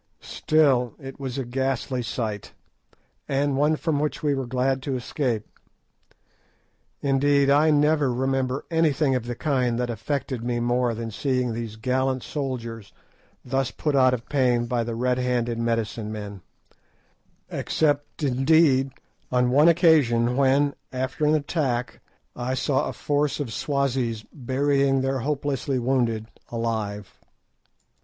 Still it was a ghastly sight, and one from which we were glad to escape; indeed, I never remember anything of the kind that affected me more than seeing those gallant soldiers thus put out of pain by the red handed medicine men, except, indeed, on one occasion when, after an attack, I saw a force of Swazis burying their hopelessly wounded alive.